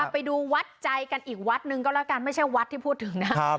ไปดูวัดใจกันอีกวัดหนึ่งก็แล้วกันไม่ใช่วัดที่พูดถึงนะครับ